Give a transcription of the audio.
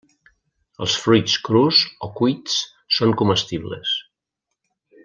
Els fruits crus o cuits són comestibles.